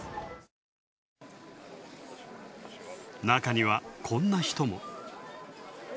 なかには、こんな人も。